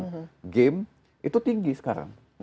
karena game itu tinggi sekarang